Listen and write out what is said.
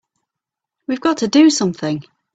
We've got to do something!